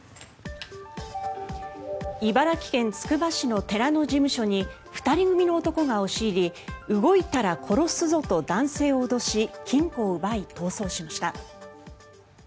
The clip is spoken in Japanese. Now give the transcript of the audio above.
茨城県つくば市の寺の事務所に２人組の男が押し入り動いたら殺すぞと男性を脅し、金庫を奪い逃走しました。